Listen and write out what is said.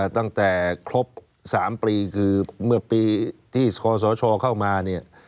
ตั้งแต่ครบ๓ปีคือเมื่อปีที่คอสชเข้ามาเนี่ย